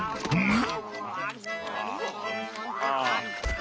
ん？